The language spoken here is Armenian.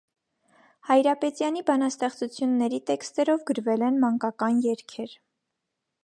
Հայրապետյանի բանաստեղծությունների տեքստերով գրվել են մանկական երգեր։